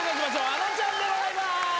あのちゃんでございます。